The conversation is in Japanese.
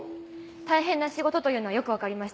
大変な仕事というのはよく分かりました。